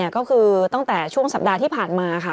ก็คือตั้งแต่ช่วงสัปดาห์ที่ผ่านมาค่ะ